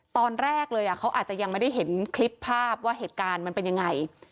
ตอนแรกเลยเขาอาจจะยังไม่ได้เห็นคลิปภาพว่าเหตุการณ์มันเป็นยังไง